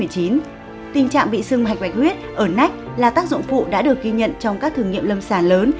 tình trạng bị sưng hạch bạch huyết ở nách là tác dụng phụ đã được ghi nhận trong các thử nghiệm lâm sàng lớn